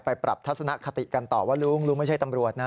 ปรับทัศนคติกันต่อว่าลุงลุงไม่ใช่ตำรวจนะ